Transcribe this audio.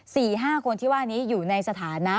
สี่ห้าคนที่ว่านี้อยู่ในสถานะ